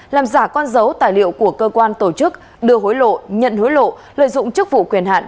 làm giả con dấu tài liệu của cơ quan tổ chức đưa hối lộ nhận hối lộ lợi dụng chức vụ quyền hạn